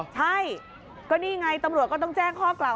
ใช่ก็นี่ไงตำรวจก็ต้องแจ้งข้อกล่าว